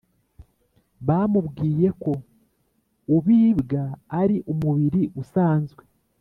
Bamubwiye ko Ubibwa ari umubiri usanzwe